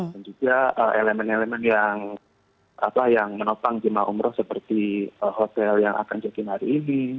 dan juga elemen elemen yang menopang jemaah umroh seperti hotel yang akan jatuhin hari ini